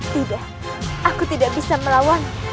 tidak aku tidak bisa melawan